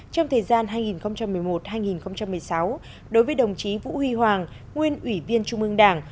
trong thời gian hai nghìn một mươi một hai nghìn một mươi sáu đối với đồng chí vũ huy hoàng nguyên ủy viên trung ương đảng